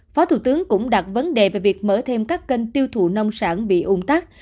phó thủ tướng cũng đặt vấn đề về việc mở thêm các kênh tiêu thụ nông sản bị ung tắc